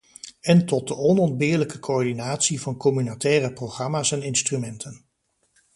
En tot de onontbeerlijke coördinatie van communautaire programma's en instrumenten.